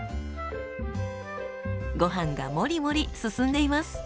ごはんがもりもり進んでいます。